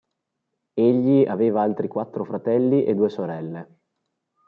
Egli aveva altri quattro fratelli e due sorelle.